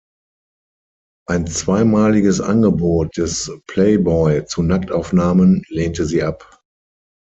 Ein zweimaliges Angebot des Playboy zu Nacktaufnahmen lehnte sie ab.